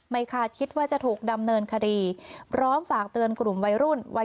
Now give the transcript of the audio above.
คาดคิดว่าจะถูกดำเนินคดีพร้อมฝากเตือนกลุ่มวัยรุ่นวัย